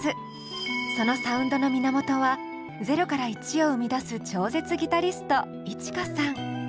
そのサウンドの源は０から１を生み出す超絶ギタリストＩｃｈｉｋａさん。